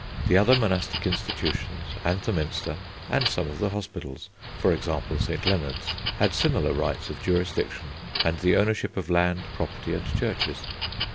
The other monastic institutions and the Minster and some of the hospitals, for example St. Leonard's, had similar rights of jurisdiction and the ownership of land, property, and churches.